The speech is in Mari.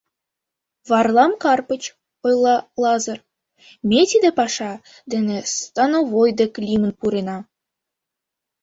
— Варлам Карпыч, — ойла Лазыр, — ме тиде паша дене становой дек лӱмын пурена.